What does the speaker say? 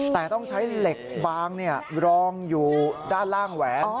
แต่ต้องใช้เหล็กบางรองอยู่ด้านล่างแหวน